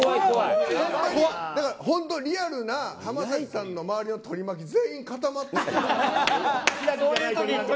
本当にリアルな浜崎さんの周りの取り巻き、全員固まってた。